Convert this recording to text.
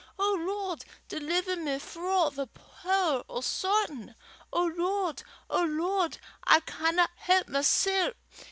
O Lord, deliver me frae the pooer o' Sawtan. O Lord! O Lord! I canna help mysel'.